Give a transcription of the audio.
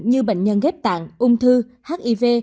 như bệnh nhân ghép tạng ung thư hiv